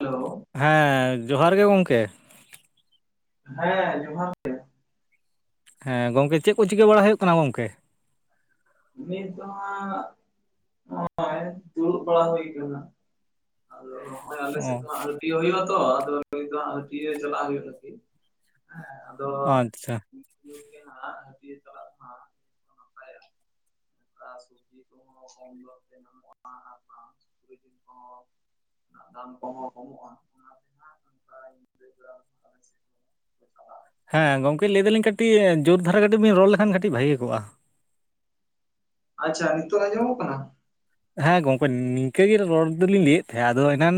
Hello, ᱦᱮᱸ ᱡᱚᱦᱟᱨ ᱜᱮ ᱜᱚᱝᱠᱮ ᱦᱮᱸ ᱡᱚᱦᱟᱨ ᱜᱮ ᱦᱮᱸ ᱜᱚᱝᱠᱮ ᱪᱮᱫ ᱠᱚ ᱪᱤᱠᱟᱹ ᱵᱟᱲᱟ ᱦᱩᱭᱩᱜ ᱠᱟᱱᱟ ᱜᱚᱢᱠᱮ? ᱱᱤᱛ ᱫᱚ ᱦᱟᱸᱜ ᱱᱚᱜ-ᱚᱭ ᱫᱩᱲᱩᱵ ᱵᱟᱲᱟ ᱦᱩᱭ ᱟᱠᱟᱱᱟ᱾ ᱟᱫᱚ ᱱᱚᱜᱼᱚᱭ ᱟᱞᱮ ᱥᱮᱫ ᱚ ᱦᱟᱸᱜ ᱟᱹᱭᱨᱤ ᱦᱟᱹᱴᱤᱭᱟᱹ ᱦᱩᱭᱩᱜ ᱛᱚ ᱟᱫᱚ ᱦᱟᱹᱴᱤᱭᱟᱹ ᱪᱟᱞᱟᱜ ᱦᱩᱭᱩᱜᱼᱟ ᱞᱟᱹᱜᱤᱫ᱾ ᱟᱪᱪᱷᱟ, ᱼ [inaudible] ᱥᱚᱵᱡᱤ ᱠᱚᱦᱚᱸ ᱠᱚᱢ ᱫᱟᱢ ᱛᱮ ᱧᱟᱢᱚᱜᱼᱟ ᱥᱩᱠᱤᱲᱤ ᱡᱮᱞ ᱠᱚᱦᱚᱸ ᱫᱟᱢ ᱠᱚᱦᱚ ᱠᱚᱢᱚᱜᱼᱟ ᱚᱱᱟ ᱛᱮᱜᱮ [inaudible] ᱼᱼ [unintelligible] ᱦᱮᱸ ᱜᱚᱝᱠᱮ ᱞᱟᱹᱭ ᱫᱟᱞᱤᱧ ᱠᱟᱹᱴᱤᱪ ᱡᱳᱨ ᱫᱷᱟᱨᱟ ᱠᱟᱹᱴᱤᱪ ᱵᱤᱱ ᱨᱚᱲ ᱞᱮᱠᱷᱟᱱ ᱠᱟᱹᱴᱤᱪ ᱵᱷᱟᱹᱜᱤ ᱠᱚᱜᱼᱟ᱾ ᱟᱪᱪᱷᱟ ᱱᱤᱛᱚᱜ ᱟᱸᱡᱚᱢᱚᱜ ᱠᱟᱱᱟ᱾ ᱦᱮᱸ ᱜᱚᱝᱠᱮ ᱱᱤᱝᱠᱟᱹ ᱜᱮ ᱨᱚᱲ ᱫᱚᱞᱤᱧ ᱞᱟᱹᱭᱮᱫ ᱛᱟᱦᱮ ᱟᱫᱚ ᱮᱱᱟᱱᱼᱼ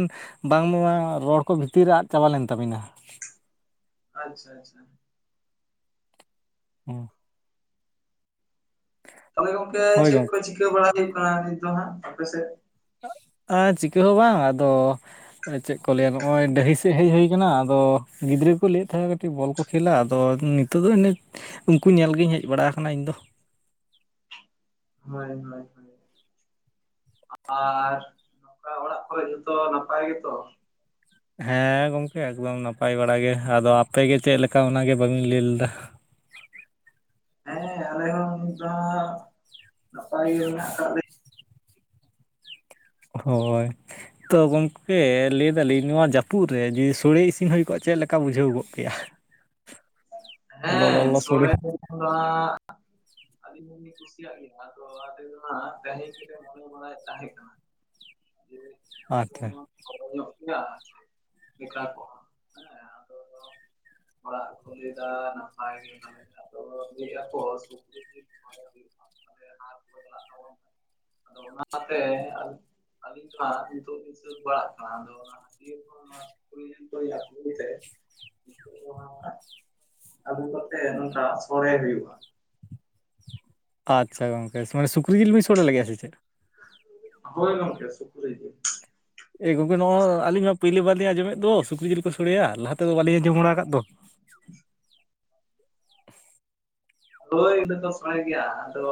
ᱵᱟᱝᱢᱟ ᱨᱚᱲ ᱠᱚ ᱵᱷᱤᱛᱤᱨ ᱨᱮ ᱟᱫ ᱪᱟᱵᱟ ᱞᱮᱱ ᱛᱟᱵᱤᱱᱟ᱾ ᱟᱪᱪᱷᱟ ᱟᱪᱪᱷᱟ ᱦᱩᱸ ᱛᱟᱦᱞᱮ ᱜᱚᱝᱠᱮ ᱦᱳᱭ ᱪᱮᱫ ᱠᱚ ᱜᱚᱝᱠᱮ ᱪᱤᱠᱟᱹ ᱵᱟᱲᱟᱭ ᱦᱩᱭᱩᱜ ᱠᱟᱱᱟ ᱱᱤᱛ ᱫᱚ ᱦᱟᱸᱜ ᱟᱯᱮᱥᱮᱫ? ᱟ ᱪᱤᱠᱟᱹ ᱦᱚᱸ ᱵᱟᱝ ᱟᱫᱚ ᱪᱮᱫ ᱠᱚ ᱞᱟᱹᱭᱟ ᱱᱚᱜ-ᱚᱭ ᱰᱟᱹᱦᱤ ᱥᱮᱫ ᱦᱮᱡ ᱦᱩᱭ ᱟᱠᱟᱱ ᱫᱚ ᱜᱤᱫᱽᱨᱟᱹ ᱠᱚᱠᱚ ᱞᱟᱹᱭᱮᱫ ᱛᱟᱦᱮᱸ ᱠᱟᱹᱴᱤᱡ ᱵᱚᱞ ᱠᱚ ᱠᱷᱮᱞᱟ ᱟᱫᱚ ᱱᱤᱛᱚᱜ ᱫᱚ ᱤᱱᱟᱹᱠ ᱩᱱᱠᱩ ᱧᱮᱞ ᱜᱤᱧ ᱦᱮᱡ ᱵᱟᱲᱟᱣ ᱟᱠᱟᱱᱟ ᱤᱧᱫᱚ ᱦᱚᱭ ᱦᱚᱭ ᱦᱚᱭ ᱟᱨ ᱱᱚᱝᱠᱟ ᱚᱲᱟᱜ ᱠᱚᱨᱮ ᱡᱚᱛᱚ ᱱᱟᱯᱟᱭ ᱜᱮᱛᱚ? ᱦᱮᱸ ᱜᱚᱝᱠᱮ ᱮᱠᱫᱚᱢ ᱱᱟᱯᱟᱭ ᱵᱟᱲᱟ ᱟᱫᱚ ᱟᱯᱮᱜᱮ ᱪᱮᱫ ᱞᱮᱠᱟ ᱚᱱᱟᱜᱮ ᱵᱟᱹᱵᱤᱱ ᱞᱟᱹᱭ ᱞᱮᱫᱟ ᱦᱮᱸ ᱟᱞᱮ ᱦᱚᱸ ᱱᱤᱛ ᱫᱚ ᱦᱟᱸᱜ ᱱᱟᱯᱟᱭ ᱜᱮ ᱢᱮᱱᱟᱜ ᱟᱠᱟᱫ ᱞᱮ ᱦᱚᱭ ᱛᱳ ᱜᱚᱝᱠᱮ ᱞᱟᱹᱭ ᱫᱟᱞᱤᱧ ᱱᱚᱣᱟ ᱡᱟᱯᱩᱫ ᱨᱮ ᱡᱩᱫᱤ ᱥᱳᱲᱮ ᱤᱥᱤᱱ ᱦᱩᱭ ᱠᱚᱜ-ᱟ ᱪᱮᱫ ᱞᱮᱠᱟ ᱵᱩᱡᱷᱟᱹᱣ ᱠᱚᱜ ᱠᱮᱭᱟ? [unintelligible] ᱦᱮᱸ ᱞᱚᱞᱚ ᱥᱳᱲᱮ ᱥᱚᱲᱮ [inaudible] ᱠᱟᱱᱟ ᱟᱹᱞᱤᱧ ᱦᱚᱸᱞᱤᱧ ᱠᱩᱥᱤᱭᱟᱜ ᱜᱮᱭᱟ ᱛᱚ ᱟᱞᱮ ᱫᱚ ᱦᱟᱸᱜ ᱰᱟᱦᱤ ᱜᱮᱞᱮ ᱢᱚᱱᱮ ᱵᱟᱲᱟᱭᱮᱫ ᱛᱟᱦᱮᱸ ᱠᱟᱱᱟ ᱟᱪᱪᱷᱟ [inaudible] ᱧᱚᱜ ᱜᱮᱭᱟ ᱪᱮ ᱜᱮᱫᱟ ᱠᱚ ᱦᱮᱸ ᱟᱫᱚ ᱠᱚᱫᱚ ᱚᱲᱟᱜ ᱠᱚᱞᱮ ᱫᱟᱫᱟ ᱱᱟᱯᱟᱭ ᱜᱮ [inaudible] ᱛᱟᱵᱚᱱ ᱠᱷᱟᱱ [unintelligible] ᱟᱫᱚ ᱚᱱᱟᱛᱮ ᱟᱹᱞᱤᱧ ᱫᱚ ᱦᱟᱸᱜ ᱱᱤᱛᱚᱜ ᱞᱤᱧ ᱥᱟᱹᱛ ᱵᱟᱲᱟᱜ ᱠᱟᱱᱟ ᱟᱫᱚ ᱚᱱᱟ [inaudible] ᱥᱩᱠᱨᱤ ᱡᱤᱞ ᱠᱚᱞᱤᱧ ᱟᱜᱩᱭ ᱛᱮ [inaudible] ᱟᱹᱜᱩ ᱠᱟᱛᱮᱜ ᱱᱚᱝᱠᱟ ᱥᱚᱲᱮ ᱦᱩᱭᱩᱜ-ᱟ ᱟᱪᱪᱷᱟ ᱜᱚᱝᱠᱮ ᱢᱟᱱᱮ ᱥᱩᱠᱨᱤ ᱡᱤᱞ ᱵᱤᱱ ᱥᱳᱲᱮ ᱞᱟᱜᱤᱫᱟ ᱥᱮ ᱪᱮᱫ? ᱦᱳᱭ ᱜᱚᱝᱠᱮ ᱥᱩᱠᱨᱤ ᱜᱮ᱾ ᱮ ᱜᱚᱝᱠᱮ ᱱᱚᱜ-ᱚ ᱟᱹᱞᱤᱧ ᱢᱟ ᱯᱟᱹᱭᱞᱟᱹ ᱵᱟᱨ ᱞᱤᱧ ᱟᱸᱡᱚᱢᱮᱫ ᱫᱚ ᱥᱩᱠᱨᱤ ᱡᱤᱞ ᱠᱚ ᱥᱚᱲᱮᱭᱟ ᱞᱟᱦᱟ ᱛᱮᱫᱚ ᱵᱟᱞᱤᱧ ᱟᱸᱡᱚᱢ ᱵᱟᱲᱟ ᱟᱠᱟᱫ ᱫᱚ? [unintelligible] ᱦᱳᱭ ᱤᱧ ᱫᱚ ᱥᱚᱲᱮ ᱜᱮᱭᱟ ᱟᱫᱚ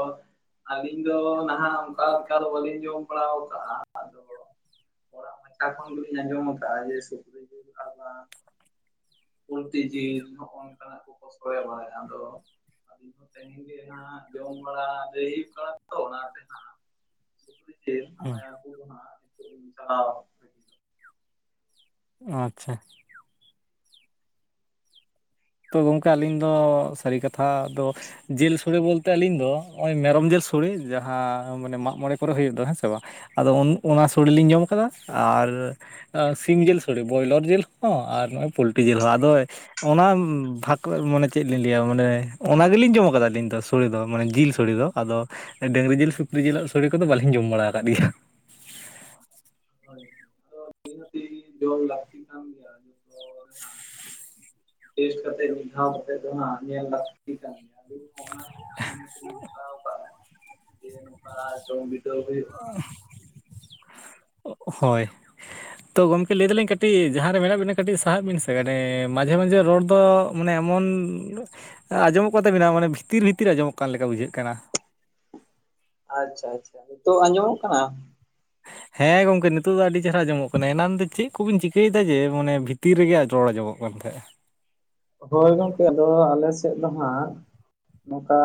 ᱟᱹᱞᱤᱧ ᱫᱚ ᱱᱟᱦᱟᱜ ᱚᱱᱠᱟ ᱚᱠᱟ ᱫᱚ ᱵᱟᱹᱞᱤᱧ ᱡᱚᱢ ᱵᱟᱲᱟᱣ ᱠᱟᱜ-ᱟ ᱟᱫᱚ ᱦᱚᱲᱟᱜ ᱢᱚᱪᱟ ᱠᱷᱚᱱ ᱫᱚᱞᱤᱧ ᱟᱸᱡᱚᱢ ᱟᱠᱟᱜᱟ-ᱟ ᱡᱮ [inaudible] ᱠᱟ ᱵᱟ ᱯᱩᱞᱴᱤ ᱡᱤᱞ ᱱᱚᱜ-ᱚ ᱱᱚᱝᱠᱟᱱᱟᱜ ᱠᱚᱠᱚ ᱥᱚᱲᱮ ᱵᱟᱲᱟᱭᱟ ᱟᱫᱚ ᱛᱮᱦᱮᱧ ᱜᱮ ᱦᱟᱸᱜ ᱡᱚᱢ ᱵᱟᱲᱟ ᱞᱟᱹᱭ ᱦᱩᱭᱩᱜ ᱠᱟᱱᱟ ᱛᱚ ᱚᱱᱟ ᱛᱮ ᱱᱟᱦᱜ ᱦᱩᱸ [inaudible] ᱟᱪᱪᱷᱟ ᱛᱚ ᱜᱚᱝᱠᱮ ᱟᱹᱞᱤᱧ ᱫᱚ ᱥᱟᱹᱨᱤ ᱠᱟᱛᱷᱟ ᱫᱚ ᱡᱤᱞ ᱥᱚᱲᱮ ᱵᱚᱞᱛᱮ ᱟᱹᱞᱤᱧ ᱫᱚ ᱱᱚᱜ-ᱚᱭ ᱢᱮᱨᱚᱢ ᱡᱤᱞ ᱥᱳᱲᱮᱹ ᱡᱟᱦᱟᱸ ᱢᱟᱱᱮ ᱢᱟᱸᱜ ᱢᱚᱬᱮ ᱠᱚᱨᱮ ᱦᱩᱭᱩᱜ ᱫᱚ ᱦᱮᱸ ᱥᱮ ᱵᱟ ᱟᱫᱚ ᱩᱱ ᱚᱱᱟ ᱥᱳᱲᱮᱹ ᱞᱤᱧ ᱡᱚᱢ ᱠᱟᱫᱟ ᱟᱨ ᱮ ᱥᱤᱢ ᱡᱮᱞ ᱥᱳᱲᱮᱹ ᱵᱚᱭᱞᱚᱨ ᱡᱤᱞ ᱦᱚᱸ ᱟᱨ ᱱᱚᱜ-ᱚᱭ ᱯᱳᱞᱴᱤ ᱡᱤᱞ ᱦᱚᱸ ᱟᱫᱚ ᱚᱱᱟᱱ ᱵᱷᱟᱠᱚ ᱢᱟᱱᱮ ᱪᱮᱫ ᱞᱤᱧ ᱞᱟᱹᱭᱟ ᱢᱟᱱᱮ ᱚᱱᱟ ᱜᱮᱞᱤᱧ ᱡᱚᱢ ᱠᱟᱫᱟ ᱟᱹᱞᱤᱧ ᱫᱚ ᱥᱳᱲᱮᱹ ᱫᱚ ᱢᱟᱱᱮ ᱡᱤᱞ ᱥᱳᱲᱮᱹ ᱫᱚ ᱟᱫᱚ ᱰᱟᱹᱝᱨᱤ ᱡᱤᱞ ᱥᱩᱠᱨᱤ ᱡᱤᱞᱟᱜ ᱥᱳᱲᱮ ᱠᱚᱫᱚ ᱵᱟᱞᱤᱧ ᱡᱚᱢ ᱵᱟᱲᱟᱣ ᱟᱠᱟᱫ ᱜᱮᱭᱟ [inaudible] ᱴᱮᱥᱴ ᱠᱟᱛᱮ ᱢᱤᱫ ᱫᱷᱟᱣ ᱠᱟᱛᱮ ᱫᱚ ᱦᱟᱸᱜ ᱧᱮᱞ ᱞᱟᱠ ᱛᱤ ᱠᱟᱱ ᱜᱮᱭᱟ [inaudible] ᱢᱤᱫ ᱡᱚᱢ ᱦᱳᱭᱩᱜ-ᱟ ᱦᱚᱭ ᱛᱚ ᱜᱚᱢᱠᱮ ᱞᱟᱹᱭ ᱫᱟᱞᱤᱧ ᱠᱟᱹᱴᱤᱡ ᱡᱟᱦᱟᱸᱨᱮ ᱢᱮᱱᱟᱜ ᱵᱤᱱᱟ ᱠᱟᱹᱴᱤᱡ ᱥᱟᱦᱟᱜ ᱵᱤᱱ ᱥᱮ ᱠᱟᱴᱤᱡ ᱢᱟᱡᱷᱮ ᱢᱟᱡᱷᱮ ᱨᱚᱲ ᱫᱚᱼᱼ ᱢᱟᱱᱮ ᱮᱢᱚᱱ ᱟᱸᱡᱚᱢᱚᱜ ᱠᱟᱛᱟᱵᱤᱱᱟ ᱢᱟᱱᱮ ᱵᱷᱤᱛᱤᱨ ᱵᱷᱤᱛᱤᱨ ᱟᱸᱡᱚᱢᱚᱜ ᱠᱟᱱ ᱞᱮᱠᱟ ᱵᱩᱡᱷᱟᱹᱜ ᱠᱟᱱᱟ᱾ ᱟᱪᱪᱷᱟ ᱟᱪᱪᱷᱟ ᱱᱤᱛᱚᱜ ᱟᱸᱡᱚᱢᱚᱜ ᱠᱟᱱᱟ? ᱦᱮᱸ ᱜᱚᱝᱠᱮ ᱱᱤᱛᱚᱜ ᱫᱚ ᱟᱹᱰᱤ ᱪᱮᱦᱨᱟ ᱟᱸᱡᱚᱢᱚᱜ ᱠᱟᱱᱟ ᱮᱱᱟᱱ ᱫᱚ ᱪᱮᱫ ᱠᱚᱵᱤᱱ ᱪᱤᱠᱟᱹᱭᱫᱟ ᱡᱮ ᱢᱟᱱᱮ ᱵᱷᱤᱛᱤᱨ ᱨᱮᱜᱮ ᱨᱚᱲ ᱟᱸᱡᱚᱢᱚᱜ ᱠᱟᱱ ᱛᱟᱦᱮᱸᱫᱼᱼᱼ ᱦᱳᱭ ᱜᱚᱝᱠᱮ ᱟᱫᱚ ᱟᱞᱮ ᱥᱮᱫ ᱫᱚ ᱦᱟᱸᱜ ᱱᱚᱝᱠᱟᱼᱼᱼ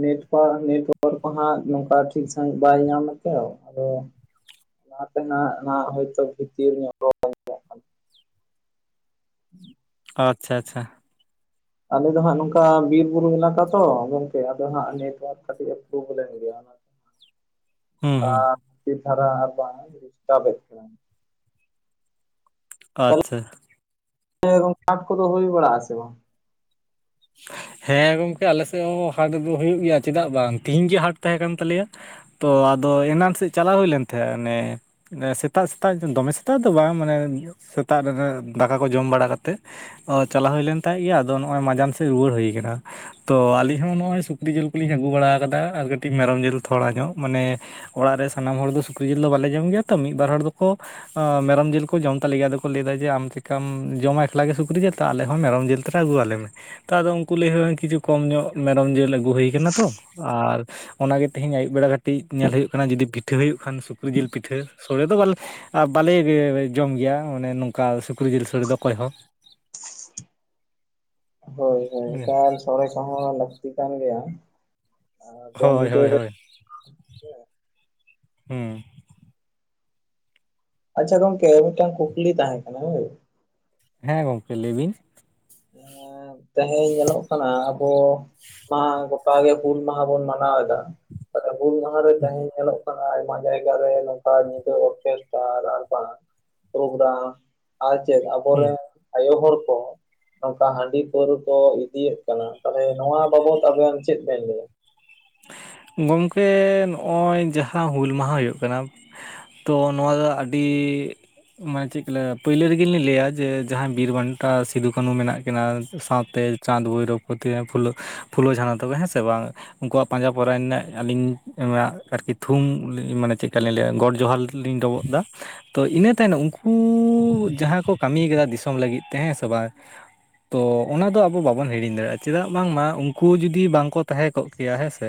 ᱱᱮᱴᱣᱟᱨᱠ ᱱᱮᱴᱚᱣᱟᱨᱠ ᱠᱚ ᱦᱟᱸᱜ ᱱᱚᱝᱠᱟ ᱴᱷᱤᱠ ᱥᱟᱺᱦᱤᱡ ᱵᱟᱭ ᱧᱟᱢᱟᱛᱚ ᱟᱫᱚ ᱚᱱᱟᱛᱮ ᱱᱟ ᱱᱟ ᱦᱳᱭᱛᱚ ᱵᱷᱤᱛᱤᱨ ᱧᱚᱜ ᱨᱚᱲᱼᱼᱼ [inaudible] ᱟᱪᱪᱷᱟ ᱟᱪᱪᱷᱟ ᱟᱞᱮ ᱫᱚ ᱦᱟᱸᱜ ᱱᱚᱝᱠᱟ ᱵᱤᱨ ᱵᱩᱨᱩ ᱮᱞᱟᱠᱟ ᱛᱚ ᱜᱚᱝᱠᱮ ᱟᱫᱚ ᱦᱟᱸᱜ ᱱᱮᱴᱚᱣᱟᱨᱠ ᱠᱟᱹᱴᱤᱡ ᱮ ᱯᱨᱚᱵᱞᱮᱢ ᱜᱮᱭᱟ᱾ [inaudible] ᱦᱩᱸ ᱦᱩᱸ ᱟᱸᱛᱷᱤᱨ ᱫᱷᱟᱨᱟ ᱟᱨ ᱵᱟᱝ ᱰᱤᱥᱴᱟᱵᱮᱫ ᱜᱟᱦᱮᱱᱟ᱾ ᱟᱪᱪᱷᱟ ᱦᱮᱸ ᱜᱚᱢᱠᱮ ᱠᱟᱴ ᱠᱚᱫᱚ ᱦᱩᱭ ᱵᱟᱲᱟᱜᱼ ᱟ ᱥᱮ ᱵᱟᱝᱼᱼᱼ ᱦᱮᱸ ᱜᱚᱢᱠᱮ ᱟᱞᱮ ᱥᱮᱫ ᱦᱚᱸ ᱦᱟᱴ ᱫᱚ ᱦᱩᱭᱩᱜ ᱜᱮᱭᱟ ᱪᱮᱫᱟᱜ ᱵᱟᱝ ᱛᱤᱦᱮᱧ ᱜᱮ ᱦᱟᱴ ᱛᱟᱦᱮᱸ ᱠᱟᱱ ᱛᱟᱞᱮᱭᱟ᱾ ᱛᱚ ᱟᱫᱚ ᱮᱱᱟᱱ ᱥᱮᱫ ᱪᱟᱞᱟᱣ ᱦᱩᱭ ᱞᱮᱱ ᱛᱟᱦᱮᱸ ᱚᱱᱮᱼᱼᱼ ᱥᱮᱛᱟᱜ ᱥᱮᱛᱟᱜ ᱫᱚᱢᱮ ᱥᱮᱛᱟᱜ ᱫᱚ ᱵᱟᱝ ᱢᱟᱱᱮ ᱥᱮᱛᱟᱜ ᱨᱮ ᱫᱟᱠᱟ ᱠᱚ ᱡᱚᱢ ᱵᱟᱲᱟ ᱠᱟᱛᱮ᱾ ᱚᱸ ᱪᱟᱞᱟᱣ ᱦᱩᱭ ᱞᱮᱱ ᱛᱟᱦᱮᱜ ᱜᱮᱭᱟ ᱟᱫᱚ ᱱᱚᱜᱼᱚᱭ ᱢᱟᱡᱟᱱ ᱥᱮᱫ ᱨᱩᱣᱟᱹᱲ ᱦᱩᱭ ᱠᱟᱱᱟ᱾ ᱛᱚ ᱟᱹᱞᱤᱧ ᱦᱚᱸ ᱱᱚᱜᱼᱚᱭ ᱥᱩᱠᱨᱤ ᱡᱤᱞ ᱠᱚᱞᱤᱧ ᱟᱹᱜᱩ ᱵᱟᱲᱟ ᱠᱟᱫᱟ ᱟᱨ ᱠᱟᱹᱴᱤᱡ ᱢᱮᱨᱚᱢ ᱡᱤᱞ ᱛᱷᱚᱲᱟ ᱧᱚᱜ ᱢᱟᱱᱮᱼᱼ ᱚᱲᱟᱜ ᱨᱮ ᱥᱟᱱᱟᱢ ᱦᱚᱲ ᱫᱚ ᱥᱩᱠᱨᱤ ᱡᱤᱞ ᱫᱚ ᱵᱟᱞᱮ ᱡᱚᱢ ᱜᱮᱭᱟ ᱛᱚ ᱢᱤᱫ ᱵᱟᱨ ᱦᱚᱲ ᱫᱚᱠᱚᱼᱼᱼ ᱚ ᱢᱮᱨᱚᱢ ᱡᱤᱞ ᱠᱚ ᱡᱚᱢᱛᱟᱞᱮ ᱜᱮᱭᱟ ᱟᱫᱚᱠᱚ ᱞᱟᱹᱭᱫᱟ ᱡᱮ ᱟᱢ ᱪᱤᱠᱟᱢ ᱡᱚᱢᱟ ᱮᱠᱞᱟ ᱜᱮ ᱥᱩᱠᱨᱤ ᱡᱮᱞ ᱛᱚ ᱟᱞᱮᱦᱚᱸ ᱢᱮᱨᱚᱢ ᱡᱤᱞ ᱛᱟᱱᱟᱜ ᱟᱹᱜᱩ ᱟᱞᱮ ᱢᱮ᱾ ᱛᱚ ᱟᱫᱚ ᱩᱱᱠᱩ ᱞᱟᱹᱭ ᱦᱳᱭᱱᱟ ᱠᱤᱪᱷᱩ ᱠᱚᱢ ᱧᱚᱜ ᱢᱮᱨᱚᱢ ᱡᱤᱞ ᱟᱹᱜᱩ ᱦᱤᱭ ᱠᱟᱱᱟᱛᱚ ᱟᱨᱼᱼᱼ ᱚᱱᱟᱜᱮ ᱛᱮᱦᱤᱧ ᱟᱹᱭᱩᱵ ᱵᱮᱲᱟ ᱠᱟᱹᱴᱤᱡ ᱧᱮᱞ ᱦᱩᱭᱩᱜ ᱠᱟᱱᱟ ᱡᱩᱫᱤ ᱯᱤᱴᱷᱟᱹ ᱦᱩᱭᱩᱜ ᱠᱷᱟᱱ ᱥᱩᱠᱨᱤ ᱡᱤᱞ ᱯᱤᱴᱷᱟᱹ ᱥᱚᱲᱲᱮ ᱫᱚ ᱵᱟᱝᱞᱮᱼᱼᱼ ᱟᱨ ᱵᱟᱞᱮ ᱡᱚᱢ ᱜᱮᱭᱟ ᱚᱱᱮ ᱱᱚᱝᱠᱟ ᱥᱩᱠᱨᱤ ᱡᱤᱞ ᱥᱚᱹᱲᱮ ᱫᱚ ᱚᱠᱚᱭ ᱦᱚᱸᱼᱼ ᱦᱳᱭ ᱦᱳᱭ ᱦᱚᱸ ᱮᱠᱟᱞ ᱥᱳᱲᱮ ᱠᱚ ᱦᱚᱸ ᱞᱟᱹᱠᱛᱤ ᱠᱟᱱ ᱜᱮᱭᱟ᱾ ᱟᱨ ᱡᱚᱢ ᱦᱳᱭ ᱵᱤᱰᱟᱹᱣ ᱦᱳᱭ ᱨᱮ᱾ ᱦᱳᱭᱸ ᱦᱩᱸ ᱟᱪᱪᱷᱟ ᱜᱚᱢᱠᱮ ᱢᱤᱫᱴᱟᱝ ᱠᱩᱠᱞᱤ ᱛᱟᱦᱮᱸ ᱠᱟᱱᱟ ᱦᱳᱭ᱾ ᱦᱮᱸ ᱜᱚᱝᱠᱮ ᱞᱟᱹᱭ ᱵᱤᱱ᱾ ᱛᱮᱦᱮᱧ ᱧᱮᱞᱚᱜ ᱠᱟᱱᱟ ᱟᱵᱚᱼᱼᱼ ᱜᱚᱴᱟ ᱜᱮ ᱦᱩᱞ ᱢᱟᱦᱟ ᱵᱚᱱ ᱢᱟᱱᱟᱣᱮᱫᱟ᱾ ᱦᱩᱞ ᱢᱟᱦᱟ ᱨᱮ ᱛᱮᱦᱮᱧ ᱧᱮᱞᱚᱜ ᱠᱟᱱᱟ ᱟᱭᱢᱟ ᱡᱟᱭᱜᱟ ᱨᱮ ᱱᱚᱝᱠᱟ ᱧᱤᱫᱟᱹ ᱚᱨᱠᱮᱥᱴᱟᱨ ᱟᱨ ᱵᱟᱝᱼᱼᱼᱼ ᱯᱨᱳᱜᱨᱟᱢ ᱟᱨ ᱪᱮᱫ ᱦᱩᱸ ᱟᱵᱚᱨᱮᱱ ᱟᱭᱳ ᱦᱚᱲ ᱠᱚ᱾ ᱱᱚᱝᱠᱟ ᱦᱟᱺᱰᱤ ᱯᱟᱹᱣᱨᱟᱹ ᱠᱚ ᱤᱫᱤᱭᱮᱫ ᱠᱟᱱᱟ ᱛᱟᱦᱚᱞᱮ ᱱᱚᱣᱟ ᱵᱟᱵᱚᱛ ᱟᱵᱮᱱ ᱪᱮᱫ ᱵᱮᱱ ᱞᱟᱹᱭᱟ᱾ ᱜᱚᱢᱠᱮ ᱱᱚᱜᱼᱚᱭ ᱡᱟᱦᱟᱸ ᱦᱩᱞ ᱢᱟᱦᱟ ᱦᱳᱭᱳᱜ ᱠᱟᱱᱟ᱾ ᱛᱚ ᱱᱚᱣᱟ ᱫᱚ ᱟᱹᱰᱤᱼᱼ ᱯᱟᱹᱭᱞᱟᱹ ᱨᱮᱜᱮ ᱞᱤᱧ ᱞᱟᱹᱭᱼᱟ ᱡᱮ ᱡᱟᱦᱟᱸᱭ ᱵᱤᱨᱵᱟᱱᱴᱟ ᱥᱤᱫᱩ ᱠᱟᱹᱱᱩ ᱢᱮᱱᱟᱜ ᱠᱤᱱᱟᱹ ᱥᱟᱶᱛᱮᱼᱼ ᱪᱟᱸᱫᱽ ᱵᱷᱳᱭᱨᱳᱵ ᱯᱷᱩᱞᱚ ᱡᱷᱟᱱᱚ ᱛᱟᱠᱚ ᱦᱮᱸ ᱥᱮ ᱵᱟᱝᱼᱼᱼ ᱩᱱᱠᱩᱣᱟᱜ ᱯᱟᱸᱡᱟ ᱯᱚᱨᱟᱭᱱᱤ ᱨᱮᱱᱟᱜ ᱟᱹᱞᱤᱧ ᱟᱨᱠᱤ ᱛᱷᱩᱢ ᱢᱟᱱᱮ ᱪᱮᱫᱠᱟ ᱞᱤᱧ ᱞᱟᱹᱭᱟ ᱜᱚᱴ ᱡᱚᱦᱟᱨᱼᱼᱼ ᱰᱤᱧ ᱰᱚᱵᱚᱜᱫᱟ᱾ ᱛᱚ ᱤᱱᱟᱹ ᱛᱟᱭᱱᱚᱢ ᱩᱱᱠᱩ ᱡᱟᱦᱟᱸ ᱠᱚ ᱠᱟᱹᱢᱤ ᱠᱟᱫᱟ ᱫᱤᱥᱚᱢ ᱞᱟᱹᱜᱤᱫ ᱛᱮ ᱦᱮᱸ ᱥᱮ ᱵᱟᱝᱼᱼᱼ ᱛᱚ ᱚᱱᱟ ᱫᱚ ᱟᱵᱚ ᱵᱟᱵᱚᱱ ᱦᱤᱲᱤᱧ ᱫᱟᱲᱮᱭᱟᱜᱼᱟ ᱪᱮᱫᱟᱜ ᱵᱟᱝᱢᱟ ᱩᱱᱠᱩ ᱡᱩᱫᱤ ᱵᱟᱝᱠᱚ ᱛᱟᱦᱮᱸ ᱠᱚᱜᱼᱼ ᱠᱮᱭᱟ ᱦᱮᱸ ᱥᱮᱼᱼ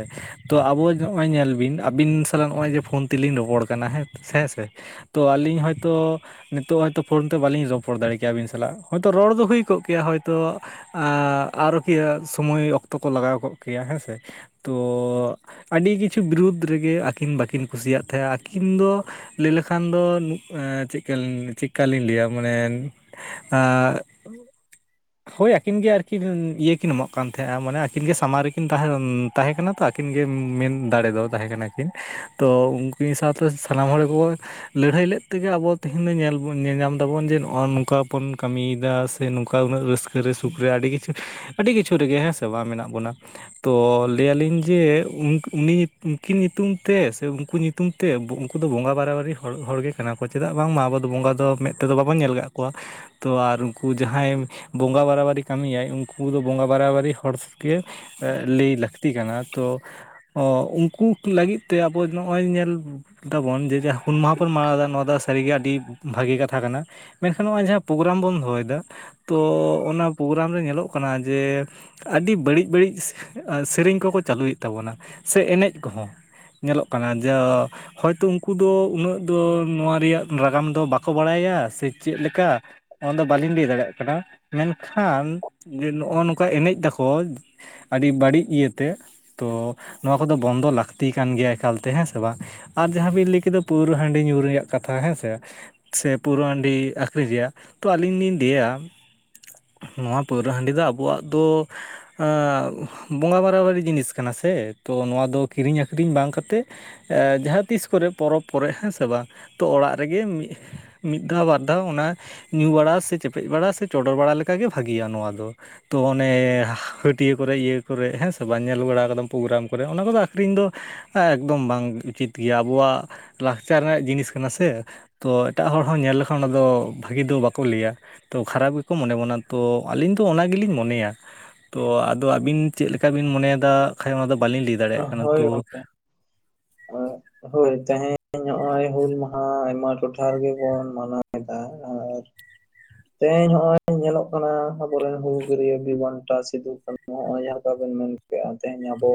ᱛᱚ ᱟᱵᱚ ᱱᱚᱜᱼᱚᱭ ᱧᱮᱞ ᱵᱤᱱ ᱟᱹᱵᱤᱱ ᱥᱟᱞᱟᱜ ᱱᱚᱜᱼᱚᱭ ᱡᱮ ᱯᱷᱳᱱ ᱛᱮᱞᱤᱧ ᱨᱚᱯᱚᱲ ᱠᱟᱱᱟ ᱦᱮᱸ ᱥᱮᱼᱼ ᱛᱚ ᱟᱹᱞᱤᱧ ᱦᱚᱭ ᱛᱚ ᱱᱤᱛᱚᱜ ᱦᱚᱭᱛᱳ ᱯᱷᱳᱱ ᱛᱮ, ᱵᱟᱹᱞᱤᱧ ᱨᱚᱯᱚᱲ ᱫᱟᱲᱮ ᱠᱮᱭᱟ ᱟᱹᱵᱤᱱ ᱥᱟᱞᱟᱜ, ᱦᱳᱭᱛᱚ ᱨᱚᱲ ᱫᱚ ᱦᱩᱭ ᱠᱚᱜ ᱠᱮᱭᱟ ᱦᱚᱳᱭᱛᱚ᱾ ᱟ ᱟᱨᱚ ᱠᱤ ᱥᱚᱢᱚᱭ ᱚᱠᱛᱚ ᱠᱚ, ᱞᱟᱜᱟᱣ ᱠᱚᱜ ᱠᱮᱭᱟ ᱦᱮᱸᱥᱮ ᱛᱚ ᱟᱹᱰᱤ ᱠᱤᱪᱷᱩ ᱵᱤᱨᱩᱫ ᱨᱮᱜᱮ, ᱟᱹᱠᱤᱱ ᱵᱟᱹᱠᱤᱱ ᱠᱩᱥᱤᱭᱟᱜ ᱛᱟᱦᱮᱼᱟ, ᱟᱹᱠᱤᱱ ᱫᱚ᱾ ᱞᱟᱹᱭ ᱞᱮᱠᱷᱟᱱ ᱫᱚ ᱪᱮᱫ ᱠᱟᱞᱤᱧ, ᱪᱮᱫ ᱠᱟᱞᱤᱧ ᱞᱟᱹᱭᱟ, ᱢᱟᱱᱮ ᱟᱸ ᱦᱳᱭ ᱟᱹᱠᱤᱱ ᱜᱮ ᱟᱨᱠᱤᱱ ᱤᱭᱟᱹ ᱠᱤᱱ ᱮᱢᱚᱜ ᱠᱟᱱ ᱛᱟᱦᱮᱸᱜᱼᱟ, ᱢᱟᱱᱮ ᱟᱹᱠᱤᱱ ᱜᱮ ᱥᱟᱢᱟᱝ ᱨᱮᱠᱤᱱ ᱛᱟᱦᱮᱸᱱᱟᱼᱼ ᱛᱟᱦᱮᱸ ᱠᱟᱱᱟ ᱛᱚ ᱟᱹᱠᱤᱱ ᱜᱮ ᱢᱮᱱ ᱫᱟᱲᱮ ᱫᱚ ᱛᱟᱦᱮᱸ ᱠᱟᱱᱟ ᱠᱤᱱ ᱛᱚ, ᱩᱱᱠᱤᱱ ᱥᱟᱶᱛᱮᱼᱼ ᱥᱟᱱᱟᱢ ᱦᱚᱲ ᱠᱚᱼᱼ ᱞᱟᱹᱲᱦᱟᱹᱭ ᱞᱮᱫ ᱛᱮᱜᱮ ᱟᱵᱚ ᱛᱮᱦᱤᱧ, ᱫᱚ ᱧᱮᱞ ᱧᱟᱢ ᱫᱟᱵᱚᱱ, ᱡᱮ ᱱᱚᱜᱼᱚ ᱱᱚᱝᱠᱟ ᱵᱚᱱ ᱠᱟᱹᱢᱤᱭᱮᱫᱟ ᱥᱮ ᱱᱚᱝᱠᱟ ᱩᱱᱟᱹᱜ ᱨᱟᱹᱥᱠᱟᱹ ᱨᱮ, ᱥᱩᱠ ᱨᱮ ᱟᱹᱰᱤ ᱠᱤᱪᱷᱩ ᱟᱹᱰᱤ ᱠᱤᱪᱷᱩ ᱨᱮᱜᱮ, ᱦᱮᱸ ᱥᱮ ᱵᱟᱝ ᱢᱮᱱᱟᱜ ᱵᱚᱱᱟ ᱾ ᱛᱚ ᱞᱟᱹᱭᱟᱞᱤᱧ ᱡᱮ ᱩᱱᱤ, ᱩᱱᱠᱤᱱ ᱧᱩᱛᱩᱢ ᱛᱮ ᱥᱮ ᱩᱱᱠᱩ ᱧᱩᱛᱩᱢᱼᱼ ᱧᱩᱛᱩᱢ ᱛᱮ ᱩᱱᱠᱩ ᱫᱚ ᱵᱚᱸᱜᱟ ᱵᱟᱨᱟᱵᱟᱨᱤ ᱦᱚᱲᱜᱮ ᱠᱟᱱᱟ ᱠᱚ, ᱪᱮᱫᱟᱜ ᱵᱟᱝᱢᱟ ᱟᱵᱚ ᱫᱚ ᱵᱚᱸᱜᱟ ᱫᱚ, ᱢᱮᱫ ᱛᱮᱫᱚ ᱵᱟᱵᱚᱱ ᱧᱮᱞ ᱠᱟᱫ ᱠᱚᱣᱟ᱾ ᱛᱚ ᱟᱨ ᱩᱱᱠᱩ ᱡᱟᱦᱟᱸᱭ ᱵᱚᱸᱜᱟ ᱵᱟᱨᱟᱵᱟᱨᱤ ᱠᱟᱹᱢᱤᱭᱟᱭ, ᱩᱱᱠᱩ ᱫᱚ ᱵᱚᱸᱜᱟ ᱵᱟᱨᱟᱵᱟᱹᱨᱤ ᱦᱚᱲ ᱥᱮᱜᱮᱼᱼ ᱞᱟᱹᱭ ᱞᱟᱹᱠᱛᱤ ᱠᱟᱱᱟ, ᱛᱚ ᱩᱱᱠᱩ ᱞᱟᱹᱜᱤᱫ ᱛᱮ, ᱟᱵᱚ ᱱᱚᱜᱼᱚᱭ ᱧᱮᱞᱼᱼ ᱫᱟᱵᱚᱱ ᱡᱮ ᱡᱟᱦᱟ ᱦᱩᱞ ᱢᱟᱦᱟ ᱵᱚᱱ ᱢᱟᱱᱟᱣ ᱫᱟ, ᱱᱚᱣᱟ ᱫᱚ ᱥᱟᱹᱨᱤᱜᱮ ᱟᱹᱰᱤ ᱵᱷᱟᱹᱜᱮ ᱠᱟᱛᱷᱟ ᱠᱟᱱᱟ᱾ ᱢᱮᱱᱠᱷᱟᱱ ᱱᱚᱜᱼᱚᱭ ᱡᱟᱦᱟᱸ ᱯᱨᱳᱜᱽᱨᱟᱢ ᱵᱚᱱ ᱫᱚᱦᱚᱭ ᱫᱟ ᱛᱚ ᱚᱱᱟ ᱯᱨᱚᱜᱽᱨᱟᱢ ᱨᱮ, ᱧᱮᱞᱚᱜ ᱠᱟᱱᱟ ᱡᱮ ᱟᱹᱵᱤ ᱵᱟᱹᱲᱤᱡᱽ ᱵᱟᱹᱲᱤᱡᱽ ᱟᱨ ᱥᱮᱨᱮᱧ ᱠᱚᱠᱚ ᱪᱟᱹᱞᱩᱭᱮᱫ ᱛᱟᱵᱚᱱᱟ, ᱥᱮ ᱮᱱᱮᱡᱽ ᱠᱚᱦᱚᱸ, ᱧᱮᱞᱚᱜ ᱠᱟᱱᱟ ᱡᱟᱼᱼ ᱦᱚᱭᱛᱳ ᱩᱱᱠᱩ ᱫᱚ ᱩᱱᱟᱹᱜ ᱫᱚ, ᱱᱚᱣᱟ ᱨᱮᱭᱟᱜ ᱱᱟᱜᱟᱢ ᱫᱚ ᱵᱟᱠᱚ ᱵᱟᱲᱟᱭᱟ ᱥᱮ ᱪᱮᱫ ᱞᱮᱠᱟ ᱼᱼ ᱚᱱᱟᱫᱚ ᱵᱟᱹᱞᱤᱧ ᱞᱟᱹᱭ ᱫᱟᱲᱮᱭᱟᱜ ᱠᱟᱱᱟ, ᱢᱮᱱᱠᱷᱟᱱ ᱡᱮ ᱱᱚᱜᱼᱚ ᱱᱚᱝᱠᱟ ᱮᱱᱮᱡᱽ ᱫᱟᱠᱚ, ᱟᱹᱰᱤ ᱵᱟᱹᱲᱤᱡ ᱤᱭᱟᱹᱛᱮ ᱛᱚ ᱱᱚᱣᱟ ᱠᱚᱫᱚ ᱵᱚᱱᱫᱚ, ᱞᱟᱹᱠᱛᱤ ᱠᱟᱱ ᱜᱮᱭᱟ ᱮᱠᱟᱞᱛᱮ ᱦᱮᱸ ᱥᱮ ᱵᱟᱝ? ᱟᱨ ᱡᱟᱦᱟᱸ ᱵᱤᱱ ᱞᱟᱹᱭ ᱠᱮᱫᱟ, ᱯᱟᱹᱣᱨᱟᱹ ᱦᱟᱺᱰᱤ ᱧᱩ ᱨᱮᱭᱟᱜ ᱠᱟᱛᱷᱟ, ᱦᱮᱸ ᱥᱮ ᱼᱼ? ᱥᱮ ᱯᱟᱹᱣᱩᱨᱟᱹ ᱦᱟᱺᱰᱤ ᱟᱹᱠᱷᱨᱤᱧ ᱨᱮᱭᱟᱜ, ᱛᱳ ᱟᱹᱞᱤᱧ ᱞᱤᱧ ᱞᱟᱹᱭᱟᱼᱼ ᱱᱚᱣᱟ ᱯᱟᱹᱣᱨᱟᱹ ᱦᱟᱺᱰᱤ ᱫᱚ ᱟᱵᱚᱣᱟᱜ ᱫᱚ ᱟᱸ ᱵᱚᱸᱜᱟ ᱵᱟᱨᱟᱨᱟᱵᱤ ᱡᱤᱱᱤᱥ ᱠᱟᱱᱟ ᱥᱮ, ᱛᱚ ᱱᱚᱣᱟ ᱫᱚ ᱠᱤᱨᱤᱧ ᱟᱹᱠᱷᱨᱤᱧ ᱵᱟᱝ ᱠᱟᱛᱮᱫ ᱮᱸᱡᱟᱦᱟᱸ ᱛᱤᱥ ᱠᱚᱨᱮ, ᱯᱚᱨᱚᱵᱽ ᱠᱚᱨᱮᱜ ᱦᱮᱸ ᱥᱮ ᱵᱟᱝ ᱛᱚ, ᱚᱲᱟᱜ ᱨᱮᱜᱮ ᱢᱤᱫᱼᱼ ᱢᱤᱫ ᱫᱷᱟᱣ ᱵᱟᱨ ᱫᱷᱟᱣ ᱚᱱᱟ ᱧᱩ ᱵᱟᱲᱟ, ᱥᱮ ᱪᱮᱯᱮᱡᱽ ᱵᱟᱲᱟ ᱥᱮ ᱪᱚᱰᱚᱨ ᱵᱟᱲᱟ, ᱞᱮᱠᱟᱜᱮ ᱵᱷᱟᱜᱤᱭᱟ ᱱᱚᱣᱟ ᱫᱚ ᱾ ᱛᱚ ᱚᱱᱮᱻ ᱦᱟᱹᱴᱭᱟᱹ ᱠᱚᱨᱮ ᱤᱭᱟᱹᱼᱼ ᱠᱚᱨᱮ ᱦᱮᱸ ᱥᱮ ᱵᱟᱝ, ᱧᱮᱞ ᱵᱟᱲᱟ ᱠᱟᱫᱟᱢ ᱯᱨᱳᱜᱽᱨᱟᱢ ᱠᱚᱨᱮ, ᱚᱱᱟ ᱠᱚᱫᱚ ᱟᱸᱠᱷᱨᱤᱧ ᱫᱚᱼᱼ ᱮᱠᱫᱚᱢ ᱵᱟᱝ ᱩᱪᱤᱛ ᱜᱮᱭᱟ, ᱟᱵᱚᱣᱟᱜ ᱞᱟᱠᱪᱟᱨ ᱨᱮᱱᱟᱜ ᱡᱤᱱᱤᱥ ᱠᱟᱱᱟ ᱥᱮ? ᱛᱚ ᱮᱴᱟᱜ ᱦᱚᱲ ᱦᱚᱸ ᱧᱮᱞ ᱞᱮᱠᱷᱟᱱ ᱚᱱᱟᱫᱚ, ᱵᱷᱟᱹᱜᱤ ᱫᱚ ᱵᱟᱠᱚ ᱞᱟᱹᱭᱟ ᱾ ᱛᱚ ᱠᱷᱟᱨᱟᱯ ᱜᱮᱠᱚ ᱢᱚᱱᱮ ᱵᱚᱱᱟ ᱛᱚ, ᱟᱹᱞᱤᱧ ᱫᱚ ᱚᱱᱟ ᱜᱮᱞᱤᱧ ᱢᱚᱱᱮᱭᱟ ᱛᱚ, ᱟᱫᱚ ᱟᱹᱵᱤᱱ ᱼᱼ? ᱪᱮᱫ ᱞᱮᱠᱟ ᱵᱤᱱ ᱢᱚᱱᱮᱭ ᱫᱟ, ᱠᱷᱟᱱ ᱚᱱᱟ ᱫᱚ ᱵᱟᱹᱞᱤᱧ ᱞᱟᱹᱭ ᱫᱟᱲᱮᱭᱟᱜ ᱠᱟᱱᱟ ᱦᱳᱭ ᱛᱚ᱾ ᱜᱚᱝᱠᱮ ᱦᱳᱭ ᱛᱮᱦᱮᱧ ᱱᱚᱜᱼᱚᱭ ᱦᱩᱞ ᱢᱟᱦᱟ, ᱟᱭᱢᱟ ᱴᱚᱴᱷᱟ ᱨᱮᱜᱮ ᱵᱚᱱ ᱢᱟᱱᱟᱣ ᱮᱫᱟ ᱟᱨᱼᱼ ᱛᱮᱦᱮᱧ ᱱᱚᱜᱼᱚᱭ ᱧᱮᱞᱚᱜ ᱠᱟᱱᱟ, ᱟᱵᱚᱨᱮᱱ ᱦᱩᱞᱜᱟᱹᱨᱭᱟᱹ ᱵᱤᱨ ᱵᱟᱱᱴᱟ ᱥᱤᱫᱩ ᱠᱟᱹᱱᱦᱩ ᱱᱚᱜ ᱚᱭ ᱡᱟᱦᱟᱸ ᱞᱮᱠᱟᱵᱚᱱ ᱢᱮᱱ ᱠᱮᱫᱼᱟ, ᱛᱮᱦᱮᱧ ᱟᱵᱚᱼᱼ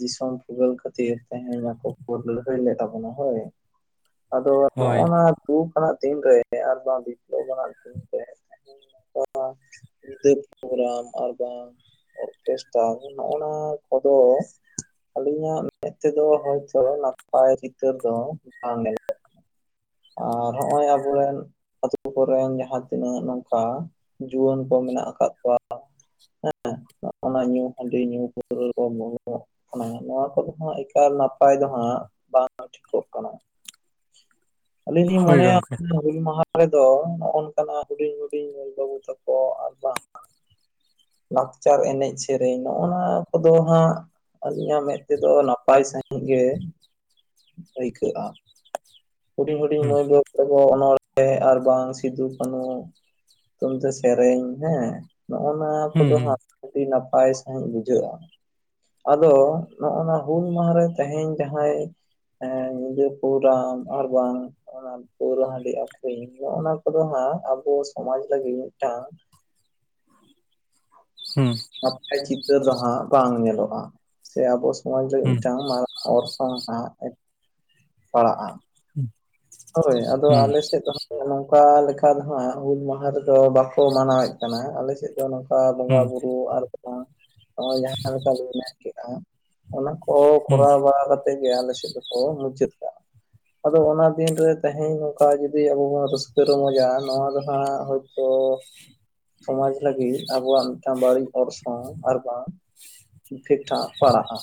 ᱫᱤᱥᱚᱢ ᱯᱷᱩᱨᱜᱟᱹᱞ ᱠᱷᱟᱹᱛᱤᱨ, ᱛᱮᱦᱮᱧ ᱟᱠᱚ ᱠᱚ ᱞᱟᱹᱲᱦᱟᱹᱭ ᱞᱮᱫ ᱛᱟᱵᱚᱱᱟ ᱦᱳᱭ᱾ ᱟᱫᱚ ᱦᱳᱭ ᱱᱚᱜᱼᱱᱟ ᱫᱩᱠ ᱟᱱᱟᱜ ᱫᱤᱱ ᱨᱮ, ᱟᱨ ᱵᱟᱝ ᱵᱤᱵᱞᱚᱵᱽ ᱟᱱᱟᱜ ᱫᱤᱱ ᱨᱮᱼᱼ ᱚᱸ [unintelligible] ᱧᱤᱫᱟᱹ ᱯᱨᱳᱜᱨᱟᱢ ᱟᱨ ᱵᱟᱝ ᱚᱨᱠᱮᱥᱴᱟᱨ ᱱᱚᱜᱼᱱᱟ ᱠᱚᱫᱚ᱾ ᱟᱹᱞᱤᱧᱟᱜ ᱢᱮᱫ ᱛᱮᱫᱚ ᱦᱚᱭᱛᱚ ᱱᱟᱯᱟᱭ, ᱪᱤᱛᱟᱹᱨ ᱫᱚ ᱵᱟᱝ ᱧᱮᱞᱚᱜ ᱠᱟᱱᱟ᱾ ᱟᱨ ᱦᱚᱜᱼᱚᱭ ᱟᱵᱚᱨᱮᱱ ᱾ ᱟᱹᱛᱩ ᱠᱚᱨᱮᱱ ᱡᱟᱦᱟᱸ ᱛᱤᱱᱟᱹᱜ ᱱᱚᱝᱠᱟ ᱡᱩᱣᱟᱹᱱ ᱠᱚ ᱢᱮᱱᱟᱜ ᱟᱠᱟᱫ ᱠᱚᱣᱟ ᱚᱱᱟ ᱧᱩ ᱦᱟᱺᱰᱤ ᱧᱩ ᱯᱟᱹᱣᱨᱟᱹ [unintelligible] ᱱᱚᱣᱟ ᱠᱚᱫᱚ ᱦᱟᱸᱜ ᱮᱠᱟᱞ ᱱᱟᱯᱟᱭ ᱫᱚ ᱦᱟᱸᱜ ᱵᱟᱝ ᱴᱷᱤᱠᱚᱜ ᱠᱟᱱᱟ᱾ [unintelligible] ᱟᱞᱤᱧ ᱞᱤᱧ ᱦᱳᱭ ᱢᱚᱱᱮᱭᱟ ᱜᱚᱝᱠᱮ ᱦᱩᱞ ᱢᱟᱦᱟ ᱠᱚᱫᱚ ᱱᱚᱜ ᱱᱚᱝᱠᱟᱱ ᱦᱩᱰᱤᱧ ᱦᱩᱰᱤᱧ ᱢᱟᱹᱭ ᱵᱟᱹᱵᱩ ᱛᱟᱠᱚ ᱟᱨ ᱵᱟᱝ ᱞᱟᱠᱪᱟᱨ ᱮᱱᱮᱡᱽ ᱥᱮᱨᱮᱧ ᱱᱚᱜᱱᱟ ᱠᱚᱫᱚ ᱦᱟᱸᱜ ᱟᱹᱞᱤᱧᱟᱜ ᱢᱮᱸᱫ ᱛᱮᱫᱚ ᱱᱟᱯᱟᱭ ᱥᱟᱹᱦᱤᱡᱽ ᱜᱮ ᱟᱹᱭᱠᱟᱹᱜᱼᱟ ᱦᱩᱰᱤᱧ ᱦᱩᱰᱤᱧ ᱦᱩᱸ ᱢᱟᱹᱭ ᱵᱟᱹᱵᱩ ᱱᱚᱜᱚᱭ ᱡᱮ ᱱᱚᱬᱦᱮᱸ ᱟᱨ ᱵᱟᱝ ᱥᱤᱫᱩ ᱠᱟᱹᱱᱩ ᱧᱩᱛᱩᱢ ᱛᱮ ᱥᱮᱨᱮᱧ ᱦᱮᱸ ᱱᱚᱜᱱᱟ ᱦᱩᱸ ᱠᱚᱫᱚ ᱦᱟᱸᱜ ᱟᱹᱰᱤ ᱱᱟᱯᱟᱭ ᱥᱟᱹᱦᱤᱡ ᱵᱩᱡᱷᱟᱹᱜᱼᱟ᱾ ᱟᱫᱚ ᱱᱚᱜᱱᱟ ᱦᱩᱞ ᱢᱟᱦᱟ ᱨᱮ ᱛᱮᱦᱮᱧ ᱡᱟᱦᱟᱸᱭ ᱦᱮᱸ ᱧᱤᱫᱟᱹ ᱯᱨᱳᱜᱨᱟᱢ ᱟᱨ ᱵᱟᱝ ᱱᱟᱣᱟ ᱯᱟᱹᱣᱨᱟᱹ ᱦᱟᱹᱰᱤ ᱟᱹᱠᱷᱨᱤᱧ ᱱᱚᱜᱼᱱᱟ ᱠᱚᱫᱚ ᱦᱟᱸᱜ ᱟᱵᱚ ᱥᱚᱢᱟᱡᱽ ᱞᱟᱹᱜᱤᱫ ᱢᱤᱫᱴᱟᱝ ᱦᱩᱸ ᱾ ᱱᱟᱯᱟᱭ ᱪᱤᱛᱟᱹᱨ ᱫᱚ ᱦᱟᱸᱜ ᱵᱟᱝ ᱧᱮᱞᱚᱜᱼᱟ, ᱥᱮ ᱟᱵᱚ ᱥᱚᱢᱟᱡᱽ ᱨᱮ ᱦᱩᱸ ᱢᱤᱫᱴᱟᱝ ᱢᱟᱨᱟᱝ ᱚᱨᱥᱚᱝ ᱮ ᱯᱟᱲᱟᱜᱼᱟ ᱾ ᱦᱳᱭ ᱦᱩᱸ ᱟᱞᱮ ᱥᱮᱫ ᱫᱚ ᱦᱟᱹᱜ ᱱᱚᱝᱠᱟ ᱞᱮᱠᱷᱟ ᱛᱮᱦᱚᱸ ᱦᱩᱞ ᱢᱟᱦᱟ ᱨᱮᱫᱚ ᱵᱟᱠᱚ ᱢᱟᱱᱟᱣᱮᱫ ᱠᱟᱱᱟ ᱟᱞᱮ ᱥᱮᱫ᱾ ᱱᱚᱝᱠᱟ ᱵᱚᱸᱜᱟ ᱦᱩᱸ ᱵᱩᱨᱩ ᱟᱨ ᱦᱳᱭ ᱡᱟᱦᱟᱸ ᱞᱮᱠᱟ ᱞᱤᱧ ᱢᱮᱱ ᱠᱮᱫᱮᱜᱼᱟ ᱚᱱᱟ ᱠᱚ ᱦᱩᱸ ᱠᱚᱨᱟᱣ ᱵᱟᱲᱟ ᱠᱟᱛᱮ ᱛᱮᱜᱮ ᱟᱞᱮ ᱥᱮᱫ ᱫᱚᱠᱚ ᱢᱩᱪᱟᱹᱫ ᱠᱟᱜᱼᱟ, ᱟᱫᱚ ᱚᱱᱟ ᱫᱤᱱ ᱨᱮ ᱛᱮᱦᱮᱧ ᱱᱚᱝᱠᱟ ᱡᱩᱫᱤ ᱟᱵᱚ ᱵᱚᱱ ᱨᱟᱹᱥᱠᱟᱹ ᱨᱚᱢᱚᱡᱟ ᱱᱚᱣᱟ ᱫᱚ ᱦᱟᱸᱜ ᱦᱳᱭᱛᱚ ᱥᱚᱢᱟᱡ ᱞᱟᱹᱜᱤᱫ ᱟᱵᱚᱣᱟᱜ ᱢᱤᱫᱴᱟᱝ ᱵᱟᱹᱲᱤᱡ ᱚᱨᱥᱚᱝ ᱟᱨ ᱵᱟᱝ ᱤᱯᱷᱮᱠᱴᱴᱷᱟ ᱯᱟᱲᱟᱜᱼᱟ᱾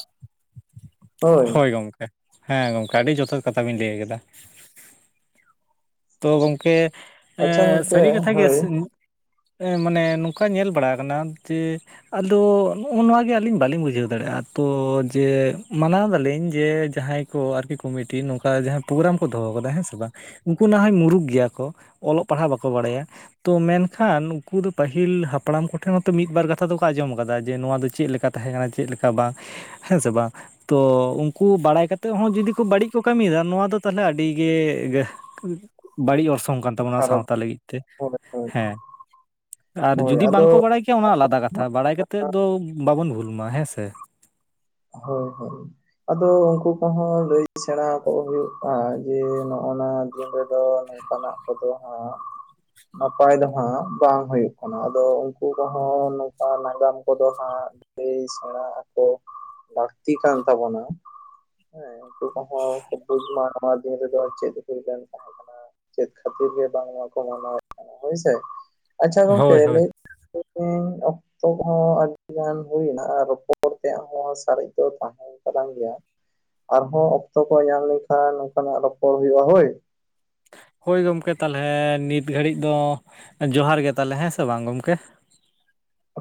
ᱦᱳᱭ ᱜᱚᱝᱠᱮ ᱦᱮᱸ ᱜᱚᱝᱠᱮ ᱟᱹᱰᱤ ᱡᱚᱛᱷᱟᱛ ᱠᱟᱛᱷᱟ ᱵᱤᱱ ᱞᱟᱹᱭ ᱠᱮᱫᱟ ᱾ ᱛᱚ ᱜᱚᱝᱠᱮ ᱟᱪᱪᱷᱟ ᱮᱻ ᱜᱚᱝᱠᱮ ᱥᱟᱹᱨᱤ ᱠᱟᱛᱷᱟ ᱜᱮ᱾ ᱦᱳᱭ ᱮᱸ ᱢᱟᱱᱮ ᱱᱚᱝᱠᱟ ᱧᱮᱞ ᱵᱟᱲᱟ ᱠᱟᱱᱟ ᱡᱮ ᱟᱫᱚ ᱱᱚᱱᱟ ᱱᱚᱣᱟᱜᱮ ᱟᱹᱞᱤᱧ ᱵᱟᱹᱞᱤᱧ ᱵᱩᱡᱷᱟᱹᱣ ᱫᱟᱲᱮᱭᱟᱜᱼᱟ ᱛᱚ ᱡᱮ ᱢᱟᱱᱟᱣ ᱫᱟᱞᱤᱧ ᱡᱮ ᱡᱟᱦᱟᱸᱭ ᱠᱚ ᱟᱨᱠᱤ ᱠᱚᱢᱤᱴᱤ ᱱᱚᱝᱠᱟ ᱡᱟᱦᱟᱸ ᱯᱨᱳᱜᱨᱟᱢ ᱠᱚ ᱫᱚᱦᱚ ᱠᱟᱫᱟ ᱦᱮᱸ ᱥᱮ ᱵᱟᱝ ᱩᱱᱠᱩ ᱱᱟ ᱦᱚᱭ ᱢᱩᱸᱨᱩᱠ ᱜᱮᱭᱟ ᱠᱚ ᱚᱞᱚᱜ ᱯᱟᱲᱦᱟᱜ ᱵᱟᱠᱚ ᱵᱟᱲᱟᱭᱟ᱾ ᱛᱚ ᱢᱮᱱᱠᱷᱟᱹᱱ ᱩᱱᱠᱩ ᱫᱚ ᱯᱟᱹᱦᱤᱞ ᱦᱟᱯᱲᱟᱢ ᱠᱚᱴᱷᱮᱱ ᱦᱚᱸᱛᱚ ᱢᱤᱫᱵᱟᱨ ᱠᱟᱛᱷᱟ ᱫᱚᱠᱚ ᱟᱸᱡᱚᱢ ᱟᱠᱟᱫᱟ ᱡᱮ ᱱᱚᱣᱟ ᱫᱚ ᱪᱮᱫ ᱞᱮᱠᱟ ᱛᱟᱦᱮᱸ ᱠᱟᱱᱟ ᱪᱮᱫ ᱞᱮᱠᱟ ᱵᱟᱝ ᱦᱮᱸ ᱥᱮ ᱵᱟᱝ ᱾ ᱛᱚ ᱩᱱᱠᱩ ᱵᱟᱲᱟᱭ ᱠᱟᱛᱮᱫ ᱦᱚᱸ ᱡᱩᱫᱤ ᱠᱚ ᱵᱟᱹᱲᱤᱡ ᱠᱚ ᱠᱟᱹᱢᱤᱭᱮᱫᱟ ᱱᱚᱣᱟ ᱫᱚ ᱛᱟᱦᱚᱞᱮ ᱟᱹᱰᱤ ᱜᱮ ᱵᱟᱹᱲᱤᱡ ᱚᱨᱥᱚᱝ ᱠᱟᱱ ᱛᱟᱵᱵᱱᱟ ᱠᱷᱟᱨᱟᱯ ᱥᱟᱶᱛᱟ ᱞᱟᱹᱜᱤᱫ ᱛᱮ ᱦᱳᱭ ᱦᱳᱭ ᱦᱮᱸ ᱾ ᱟᱨ ᱦᱳᱭ ᱡᱩᱫᱤ ᱟᱫᱚ ᱵᱟᱝᱠᱚ ᱵᱟᱲᱟᱭ ᱠᱮᱭᱟ ᱚᱱᱟ ᱟᱞᱟᱫᱟ ᱠᱟᱛᱷᱟ ᱵᱟᱲᱟᱭ ᱠᱟᱛᱮᱫ ᱫᱚ ᱵᱟᱝᱵᱚᱱ ᱵᱷᱩᱞᱢᱟ ᱦᱮᱸᱥᱮ ᱾ ᱦᱳᱭ ᱦᱳᱭ ᱾ ᱟᱫᱚ ᱩᱱᱠᱩ ᱠᱚᱦᱚᱸ ᱞᱟᱹᱭ ᱥᱮᱬᱟ ᱠᱚ ᱦᱩᱭᱩᱜᱼᱟ ᱡᱮ ᱱᱚᱜ ᱱᱟ ᱫᱤᱱ ᱨᱮᱫᱚ ᱚᱱᱠᱟᱱᱟᱜ ᱠᱚᱫᱚ ᱦᱟᱸᱜ ᱱᱟᱯᱟᱭ ᱫᱚ ᱦᱟᱸᱜ ᱵᱟᱝ ᱦᱩᱭᱩᱜ ᱠᱟᱱᱟ ᱟᱫᱚ ᱩᱱᱠᱩ ᱠᱚᱦᱚᱸ ᱱᱚᱝᱠᱟ ᱱᱟᱜᱟᱢ ᱠᱚᱫᱚ ᱦᱟᱸᱜ ᱞᱟᱹᱭ ᱥᱮᱸᱲᱟ ᱟᱠᱚ ᱞᱟᱹᱠᱛᱤ ᱠᱟᱱ ᱛᱟᱵᱚᱱᱟ ᱾ ᱦᱮᱸ ᱩᱱᱠᱩ ᱠᱚᱦᱚᱸ ᱦᱩᱞ ᱢᱟᱦᱟ ᱚᱱᱟ ᱫᱤᱱ ᱨᱮᱫᱚ ᱪᱮᱫ ᱦᱩᱭᱞᱮᱱᱟ ᱛᱟᱦᱮᱸ ᱠᱟᱱᱟ? ᱪᱮᱫ ᱠᱷᱟᱹᱛᱤᱨ ᱜᱮ ᱵᱟᱝ ᱱᱚᱣᱟ ᱠᱚ ᱢᱟᱱᱟᱣᱮᱫ ᱠᱟᱱᱟ ᱦᱳᱭᱥᱮ ᱟᱪᱪᱷᱟ ᱜᱚᱝᱠᱮ ᱦᱳᱭ ᱦᱳᱭ ᱞᱟᱹᱭ ᱛᱮᱦᱮᱧ ᱚᱠᱛᱚ ᱦᱚᱸ ᱟᱹᱰᱤᱜᱟᱱ ᱦᱩᱭᱱᱟ ᱟᱨ ᱨᱚᱯᱚᱲ ᱮᱱᱛᱮ ᱦᱚᱸ ᱥᱟᱨᱮᱡ ᱫᱚ ᱛᱟᱦᱮᱸᱱ ᱠᱟᱱ ᱜᱮᱭᱟ᱾ ᱟᱨᱦᱚᱸ ᱚᱠᱛᱚ ᱠᱚ ᱧᱟᱢ ᱞᱮᱱᱠᱷᱟᱱ ᱱᱚᱝᱠᱟᱱᱟᱜ ᱨᱚᱯᱚᱲ ᱦᱩᱭᱩᱜᱼᱟ ᱦᱳᱭ᱾ ᱦᱳᱭ ᱜᱚᱢᱠᱮ ᱛᱟᱦᱚᱞᱮ ᱱᱤᱛ ᱜᱷᱟᱹᱲᱤᱡ ᱫᱚ ᱡᱚᱦᱟᱨ ᱜᱮ ᱛᱟᱦᱚᱞᱮ ᱦᱮᱸ ᱥᱮ ᱵᱟᱝ ᱜᱚᱢᱠᱮ᱾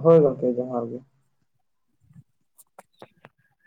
ᱦᱳᱭ ᱜᱚᱝᱠᱮ ᱡᱚᱦᱟᱨ ᱜᱮ᱾